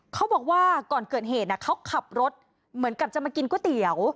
เขาบอกว่าก่อนเกิดเหตุเขาขับรถเหมือนกับจะมากินก๋วยเตี๋ยว